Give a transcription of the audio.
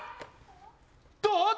どう？